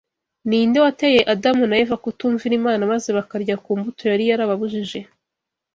ni nde wateye Adamu na Eva kutumvira Imana maze bakarya ku mbuto yari yarababujije